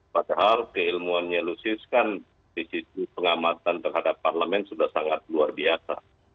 padahal keilmuannya lusius kan di situ pengamatan terhadap parlemen sudah sangat luar biasa